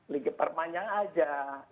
lagi permainan saja